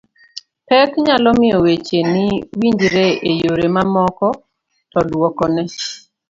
pek nyalo miyo weche ni winjre e yore mamoko to duokone